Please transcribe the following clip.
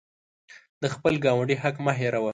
د خپل ګاونډي حق مه هیروه.